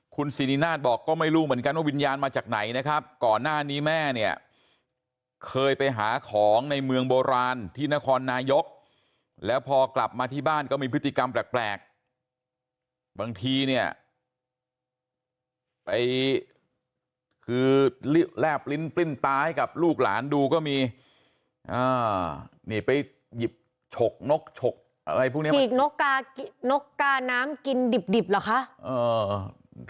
คุณสิรินาศบอกก็ไม่รู้เหมือนกันว่าวิญญาณมาจากไหนนะครับก่อนหน้านี้แม่เนี่ยเคยไปหาของในเมืองโบราณที่นครนายกแล้วพอกลับมาที่บ้านก็มีพฤติกรรมแปลกบางทีเนี่ยไปคือแลบลิ้นปลิ้นตาให้กับลูกหลานดูก็มีนี่ไปหยิบฉกนกฉกอะไรพวกนี้ฉีกนกกานกกาน้ำกินดิบดิบเหรอคะ